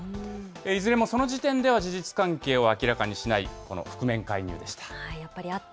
いずれもその時点では、事実関係を明らかにしない、覆面介入でした。